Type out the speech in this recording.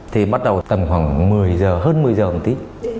thì bắt đầu tầm khoảng một mươi giờ hơn một mươi giờ một tí